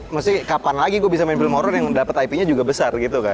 maksudnya kapan lagi gue bisa main film horror yang dapet ip nya juga besar gitu kan